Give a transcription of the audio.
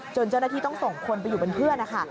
เจ้าหน้าที่ต้องส่งคนไปอยู่เป็นเพื่อนนะคะ